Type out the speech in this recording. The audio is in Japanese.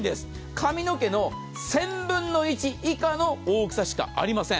髪の毛の１０００分の１以下の大きさしかありません。